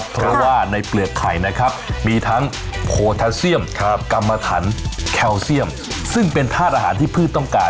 เพราะว่าทัมปุยได้ทั้งสามแบบนะคะ